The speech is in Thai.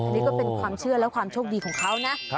อันนี้ก็เป็นความเชื่อและความโชคดีของเขานะ